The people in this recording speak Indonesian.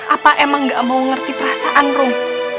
apa emang gak mau ngerti perasaan ruh